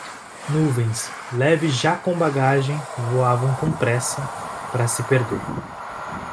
Nuvens, leves já com bagagem, voavam com pressa para se perder.